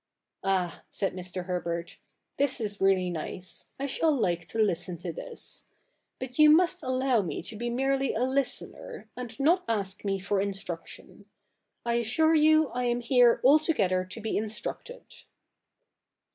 ' Ah,' said Mr. Herbert, ' this is really nice. I shall like to listen to this. But you must allow me to be merely a listener, and not ask me for instruction. I assure you I am here altogether to be instructed.'